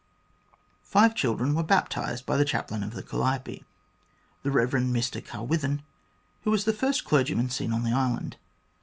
Five children were baptised by the chaplain of the Calliope, the Eev. Mr Carwithen, who was the first clergyman seen on the island.